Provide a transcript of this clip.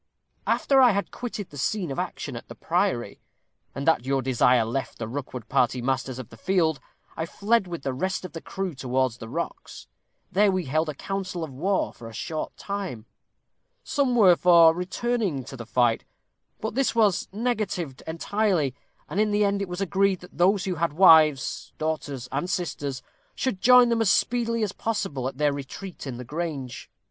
After I had quitted the scene of action at the priory, and at your desire left the Rookwood party masters of the field, I fled with the rest of the crew towards the rocks. There we held a council of war for a short time. Some were for returning to the fight; but this was negatived entirely, and in the end it was agreed that those who had wives, daughters, and sisters, should join them as speedily as possible at their retreat in the Grange.